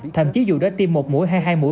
thậm chí dù đã tiêm một mũi hay hai mũi